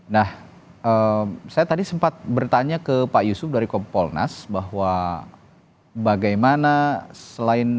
nah saya tadi sempat bertanya ke pak yusuf dari kompolnas bahwa bagaimana selain polisi berpangkat tinggi itu bagaimana itu bisa dikawal